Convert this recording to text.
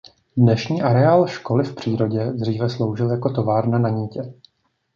Dnešní areál školy v přírodě dříve sloužil jako továrna na nitě.